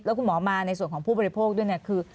แล้วคุณหมอมาในส่วนของผู้บริโภคด้วยคือ